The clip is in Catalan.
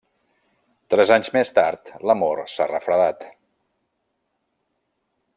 Tres anys més tard, l’amor s’ha refredat.